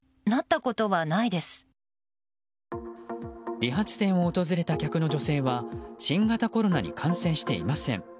理髪店を訪れた客の女性は新型コロナに感染していません。